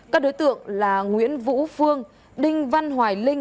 các đối tượng là nguyễn vũ phương đinh văn hoài linh